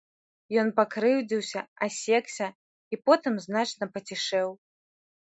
Ён пакрыўдзіўся, асекся і потым значна пацішэў.